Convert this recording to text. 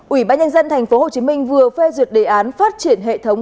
ủy ban nhân dân tp hcm vừa phê duyệt đề án phát triển hệ thống